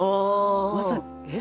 まさにえっ？